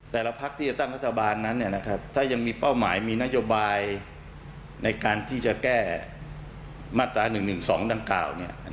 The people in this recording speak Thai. แต่ละภาคที่จะตั้งรัฐบาลนั้นเนี่ยนะครับถ้ายังมีเป้าหมายมีนโยบายในการที่จะแก้มาตรา๑๑๒ดังกล่าวเนี่ย